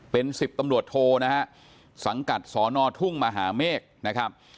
เป็น๑๐ตำรวจโทนะฮะสังกัดสอนอทุ่งมหาเมฆนะครับ